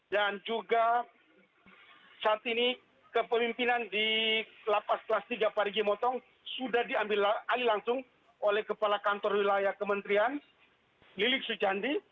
dan juga saat ini kepemimpinan di lapas kelas tiga parigi mutong sudah diambil alih langsung oleh kepala kantor wilayah kementerian lilik sujandi